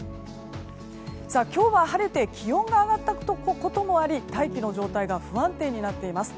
今日は晴れて気温が上がったこともあり大気の状態が不安定になっています。